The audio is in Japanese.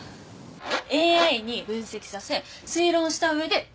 ＡＩに分析させ推論した上で調査。